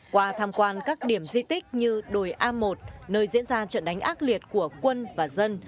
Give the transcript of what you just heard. qua tham quan các điểm di tích như đồi a một nơi diễn ra trận đánh ác liệt của quân và dân